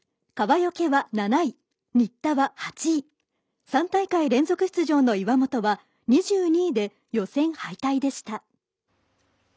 川除は７位、新田は８位３大会連続出場の岩本は２２位で予選敗退でした。